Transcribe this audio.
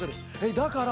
だから？